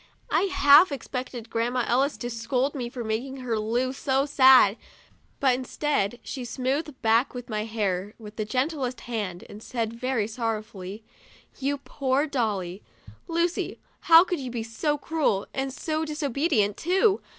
I half expected Grandma Ellis to scold me for making her Lu so sad, but instead she smoothed back my hair with the gentlest hand, and said, very sorrowfully : "Your poor dolly! Lucy, how could you be so cruel, and so disobedient, too